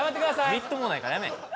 みっともないからやめえ